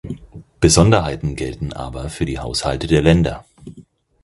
Besonderheiten gelten aber für die Haushalte der Länder.